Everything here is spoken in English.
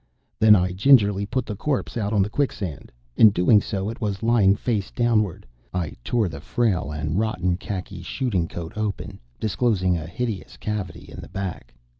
Then I gingerly put the corpse out on the quicksand. In doing so, it was lying face downward, I tore the frail and rotten khaki shooting coat open, disclosing a hideous cavity in the back.